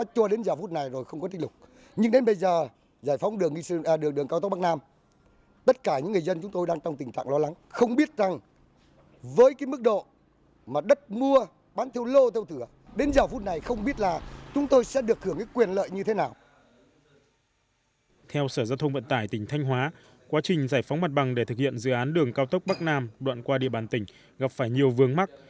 theo sở giao thông vận tải tỉnh thanh hóa quá trình giải phóng mặt bằng để thực hiện dự án đường cao tốc bắc nam đoạn qua địa bàn tỉnh gặp phải nhiều vướng mắt